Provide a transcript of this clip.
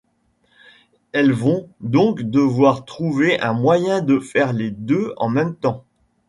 Elles vont donc devoir trouver un moyen de faire les deux en même temps.